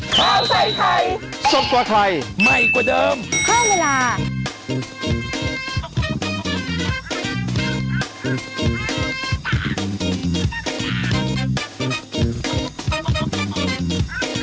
โปรดติดตามตอนต่อไป